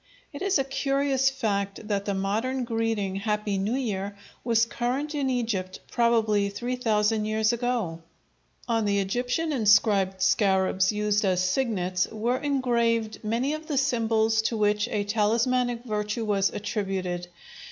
It is a curious fact that the modern greeting "Happy New Year" was current in Egypt probably three thousand years ago. On the Egyptian inscribed scarabs used as signets were engraved many of the symbols to which a talismanic virtue was attributed.